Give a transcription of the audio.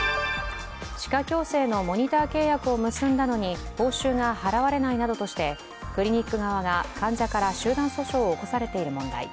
歯科矯正のモニター契約を結んだのに報酬が支払われないとしてクリニック側が患者から集団訴訟を起こされている問題。